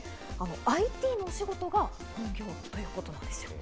ＩＴのお仕事が本業ということなんですよ。